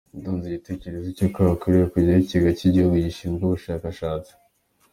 Yatanze igitekerezo cy’uko hakwiriye kujyaho ikigega cy’igihugu gishinzwe ubushakashatsi.